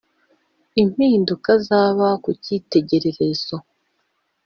mpinduka zaba ku cyitegererezo